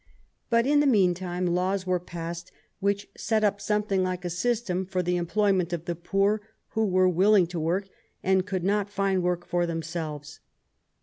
But in the mean time laws were passed which set up something like a system for the employment of the poor who were will ing to work and could not find work for themselves.